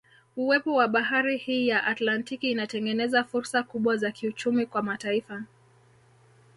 Uwepo wa bahari hii ya Atlantiki inatengeneza fursa kubwa za kiuchumi kwa mataifa